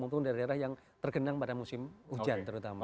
maupun daerah daerah yang tergenang pada musim hujan terutama